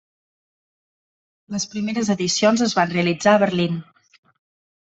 Les primeres edicions es van realitzar a Berlín.